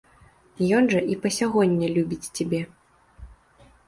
Ён жа і па сягоння любіць цябе.